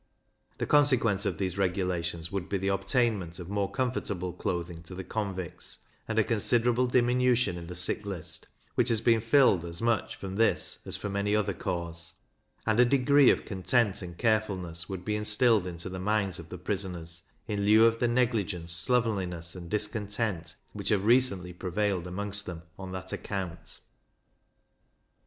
The consequence of these regulations would be the obtainment of more comfortable clothing to the convicts, and a considerable diminution in the sick list, which has been filled as much from this as from any other cause; and a degree of content and carefulness would be instilled into the minds of the prisoners, in lieu of the negligence, slovenliness, and discontent, which have recently prevailed amongst them on that account.